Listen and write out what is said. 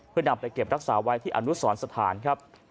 เพื่อนำไปเก็บรักษาไว้ที่อนุสรสถานครับ